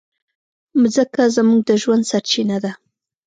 مځکه زموږ د ژوند سرچینه ده.